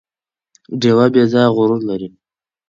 ډیوه بې ځايه غرور لري